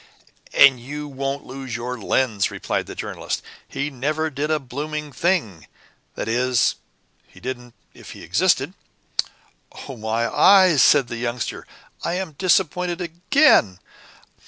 "And you won't lose your lens," replied the Journalist. "He never did a blooming thing that is, he didn't if he existed." "Oh, my eyes," said the Youngster. "I am disappointed again.